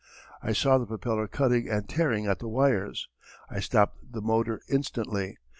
I saw the propeller cutting and tearing at the wires. I stopped the motor instantly.